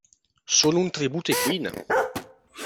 Sono un tributo ai Queen.